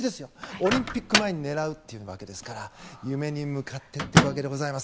オリンピック前に狙うというわけですから夢に向かっていくわけでございます。